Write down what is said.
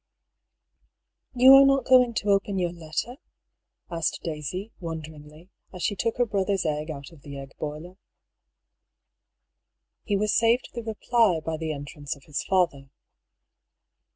"You are not going to open your letter?" asked Daisy, wonderingly, as she took her brother's egg out of the egg boiler. He was saved the reply by the entrance of his father.